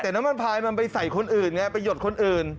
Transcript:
แต่น้ำมันพายมันไปใส่คนอื่นไงไปหยดคนอื่น